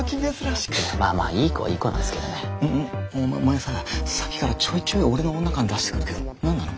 お前ささっきからちょいちょい俺の女感出してくるけど何なの？